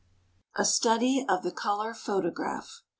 A STUDY OF THE COLOR PHOTOGRAPH.